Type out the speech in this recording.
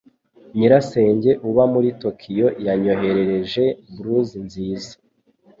Nyirasenge uba muri Tokiyo, yanyoherereje blus nziza.